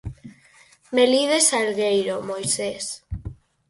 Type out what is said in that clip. Melide Salgueiro, Moisés.